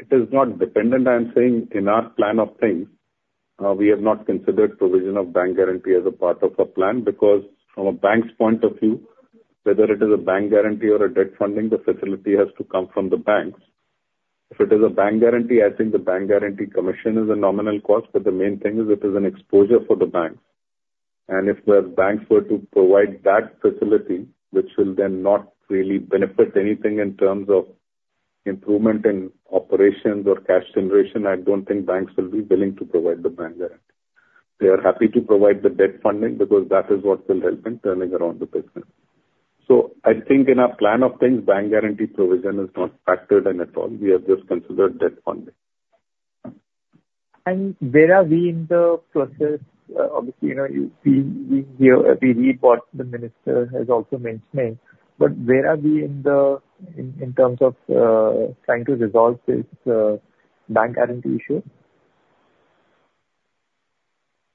dependent. I'm saying, in our plan of things, we have not considered provision of bank guarantee as a part of our plan because from a bank's point of view, whether it is a bank guarantee or a debt funding, the facility has to come from the banks. If it is a bank guarantee, I think the bank guarantee commission is a nominal cost, but the main thing is it is an exposure for the banks. And if the banks were to provide that facility, which will then not really benefit anything in terms of improvement in operations or cash generation, I don't think banks will be willing to provide the bank guarantee. They are happy to provide the debt funding because that is what will help in turning around the business. So I think in our plan of things, bank guarantee provision is not factored in at all. We have just considered debt funding. And where are we in the process? Obviously, we hear every report the minister has also mentioned, but where are we in terms of trying to resolve this bank guarantee issue?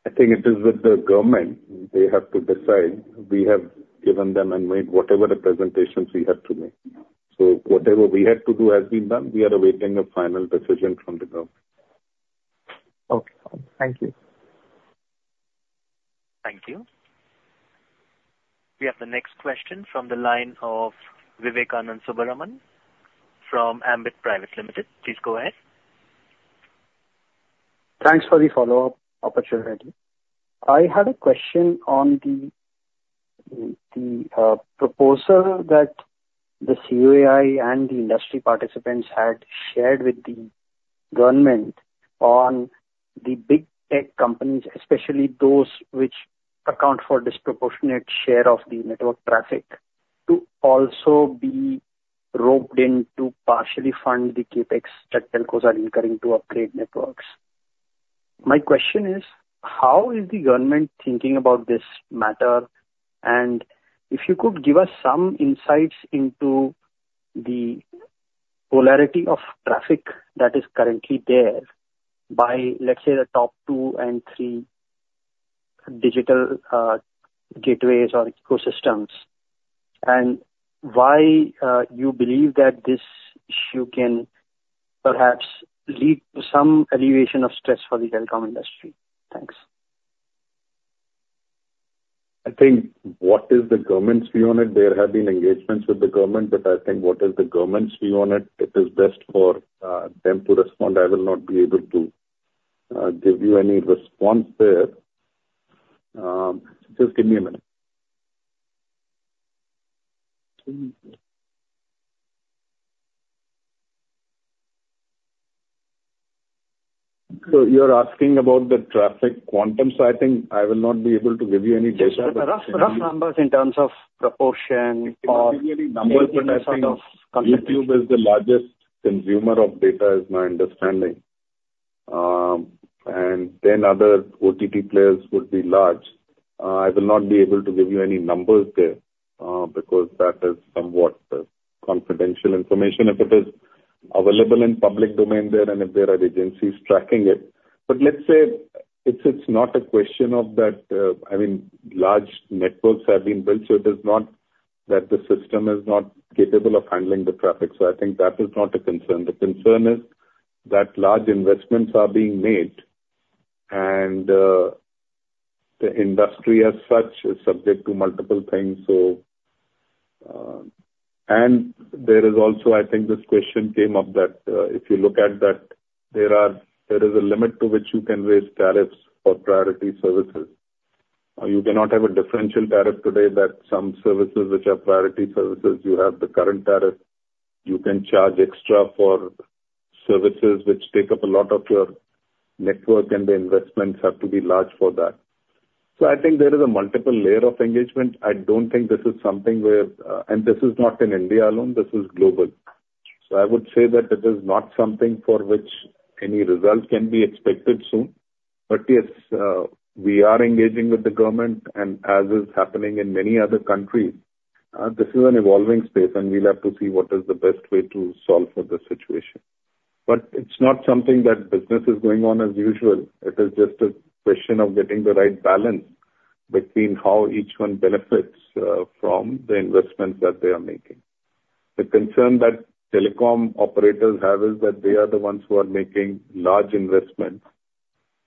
I think it is with the government. They have to decide. We have given them and made whatever the presentations we had to make. So whatever we had to do has been done. We are awaiting a final decision from the government. Okay. Thank you. Thank you. We have the next question from the line of Vivekanand Subbaraman from Ambit Private Limited. Please go ahead. Thanks for the follow-up opportunity. I had a question on the proposal that the COAI and the industry participants had shared with the government on the big tech companies, especially those which account for disproportionate share of the network traffic, to also be roped in to partially fund the CapEx that telcos are incurring to upgrade networks. My question is, how is the government thinking about this matter? And if you could give us some insights into the proportionality of traffic that is currently there by, let's say, the top two and three digital gateways or ecosystems, and why you believe that this issue can perhaps lead to some alleviation of stress for the telecom industry. Thanks. I think what is the government's view on it? There have been engagements with the government, but I think what is the government's view on it? It is best for them to respond. I will not be able to give you any response there. Just give me a minute, so you're asking about the traffic quantum, so I think I will not be able to give you any data, rough numbers in terms of proportion or numbers percent of consumption. YouTube is the largest consumer of data, is my understanding, and then other OTT players would be large. I will not be able to give you any numbers there because that is somewhat confidential information if it is available in public domain there and if there are agencies tracking it, but let's say it's not a question of that, I mean, large networks have been built, so it is not that the system is not capable of handling the traffic, so I think that is not a concern. The concern is that large investments are being made and the industry as such is subject to multiple things, and there is also, I think this question came up that if you look at that, there is a limit to which you can raise tariffs for priority services. You cannot have a differential tariff today that some services which are priority services, you have the current tariff. You can charge extra for services which take up a lot of your network, and the investments have to be large for that. So I think there is a multiple layer of engagement. I don't think this is something where, and this is not in India alone, this is global. So I would say that it is not something for which any result can be expected soon. But yes, we are engaging with the government, and as is happening in many other countries, this is an evolving space, and we'll have to see what is the best way to solve for this situation. But it's not something that business is going on as usual. It is just a question of getting the right balance between how each one benefits from the investments that they are making. The concern that telecom operators have is that they are the ones who are making large investments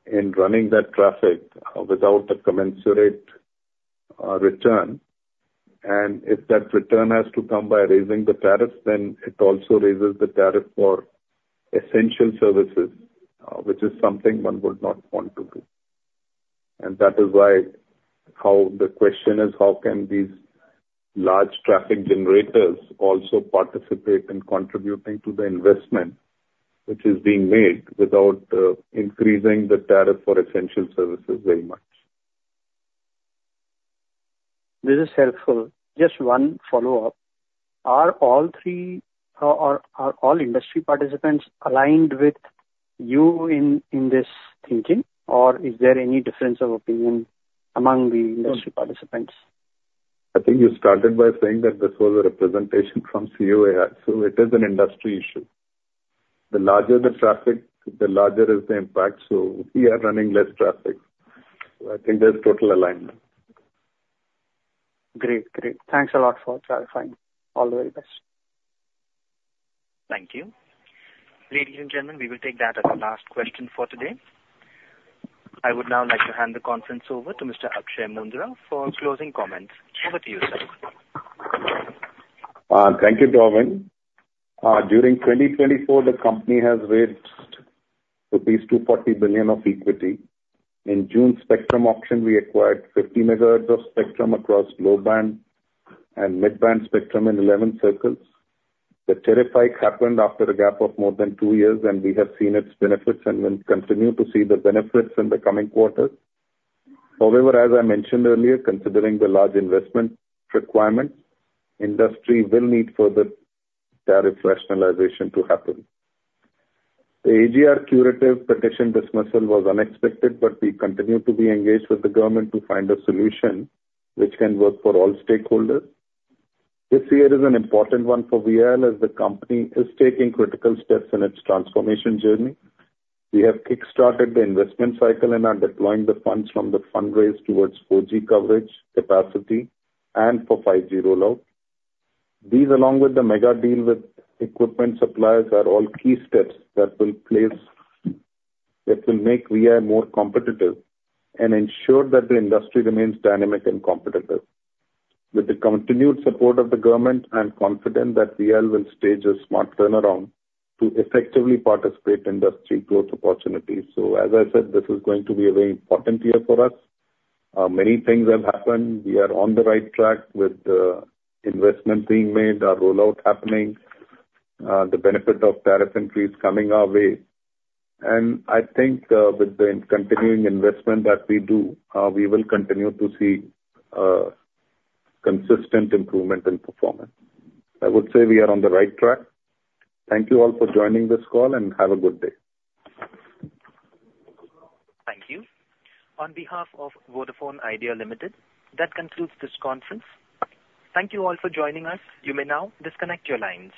in running that traffic without a commensurate return. And if that return has to come by raising the tariffs, then it also raises the tariff for essential services, which is something one would not want to do. That is why the question is, how can these large traffic generators also participate in contributing to the investment which is being made without increasing the tariff for essential services very much? This is helpful. Just one follow-up. Are all three or are all industry participants aligned with you in this thinking, or is there any difference of opinion among the industry participants? I think you started by saying that this was a representation from COAI, so it is an industry issue. The larger the traffic, the larger is the impact, so we are running less traffic. So I think there's total alignment. Great. Great. Thanks a lot for clarifying. All the very best. Thank you. Ladies and gentlemen, we will take that as the last question for today. I would now like to hand the conference over to Mr. Akshaya Moondra for closing comments. Over to you, sir. Thank you, Dorvin. During 2024, the company has raised at least rupees 240 billion of equity. In June spectrum auction, we acquired 50 MHz of spectrum across low band and mid band spectrum in 11 circles. The refinancing happened after a gap of more than two years, and we have seen its benefits and will continue to see the benefits in the coming quarters. However, as I mentioned earlier, considering the large investment requirements, industry will need further tariff rationalization to happen. The AGR curative petition dismissal was unexpected, but we continue to be engaged with the government to find a solution which can work for all stakeholders. This year is an important one for VIL as the company is taking critical steps in its transformation journey. We have kickstarted the investment cycle and are deploying the funds from the fundraise towards 4G coverage capacity and for 5G rollout. These, along with the mega deal with equipment suppliers, are all key steps that will make VIL more competitive and ensure that the industry remains dynamic and competitive. With the continued support of the government, I'm confident that VIL will stage a smart turnaround to effectively participate in industry growth opportunities. So, as I said, this is going to be a very important year for us. Many things have happened. We are on the right track with the investment being made, our rollout happening, the benefit of tariff increase coming our way. And I think with the continuing investment that we do, we will continue to see consistent improvement in performance. I would say we are on the right track. Thank you all for joining this call, and have a good day. Thank you. On behalf of Vodafone Idea Limited, that concludes this conference. Thank you all for joining us. You may now disconnect your lines.